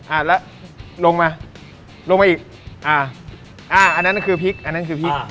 อ่าแล้วลงมาลงมาอีกอ่าอ่าอันนั้นคือพริกอันนั้นคือพริก